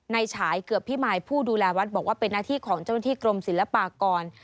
ฉายเกือบพิมายผู้ดูแลวัดบอกว่าเป็นหน้าที่ของเจ้าหน้าที่กรมศิลปากร